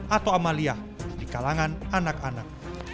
atau amalia di kalangan anak anak